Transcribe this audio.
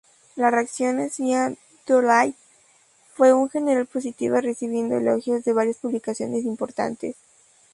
La reacción hacia "Doolittle" fue en general positiva, recibiendo elogios de varias publicaciones importantes.